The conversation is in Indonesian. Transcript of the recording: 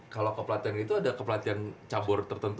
kalo kepelatihan itu ada kepelatihan cabur tertentu